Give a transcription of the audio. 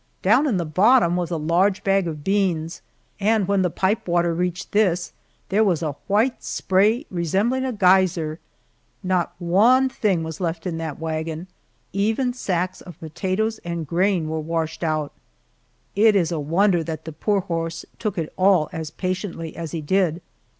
Down in the bottom was a large bag of beans, and when the pipe water reached this, there was a white spray resembling a geyser. Not one thing was left in that wagon even sacks of potatoes and grain were washed out! It is a wonder that the poor horse took it all as patiently as he did.